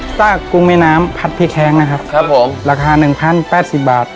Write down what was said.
สร้างกรุงมีน้ำพัดพริกแฮงนะครับราคา๑๐๘๐บาท